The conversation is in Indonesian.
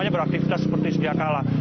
beraktifitas seperti sejak kala